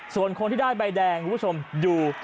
ส่วนคนที่ได้ใบแดงคุณผู้ชมดู